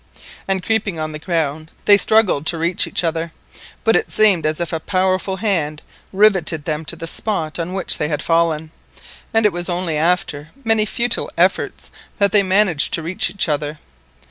And creeping on the ground they struggled to reach each other; but it seemed as if a powerful hand rivetted them to the spot on which they had fallen, and it was only after many futile efforts that they managed to reach each other.